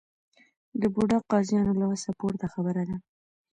د بوډا قاضیانو له وسه پورته خبره ده.